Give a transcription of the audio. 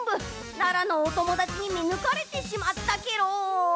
奈良のおともだちにみぬかれてしまったケロ。